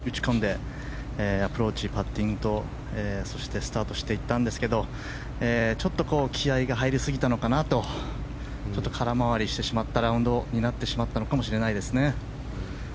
スタート２時間以上前から練習場でしっかり打ち込んでアプローチ、パッティングとそしてスタートしていったんですがちょっと気合が入りすぎたのかなと空回りしてしまったラウンドになってしまったかもしれないですね。